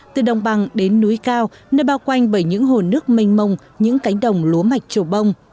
từ đồng bằng đến núi cao nơi bao quanh bởi những hồ nước mênh mông những cánh đồng lúa mạch trổ bông